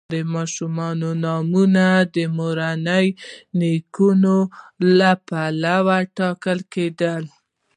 د ماشومانو نومونه د مورني نیکونو له پلوه ټاکل کیدل.